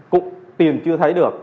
cũng tìm chưa thấy được